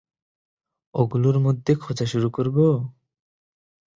ওগুলোর মধ্যে খোঁজা শুরু করবো?